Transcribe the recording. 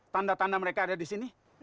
tanda tanda mereka ada di sini